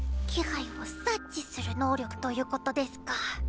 気配を察知する能力ということですか。